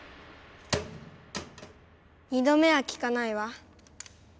２度目はきかないわ。